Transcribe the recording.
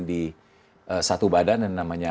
di satu badan yang namanya